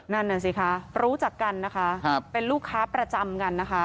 นั่นน่ะสิคะรู้จักกันนะคะเป็นลูกค้าประจำกันนะคะ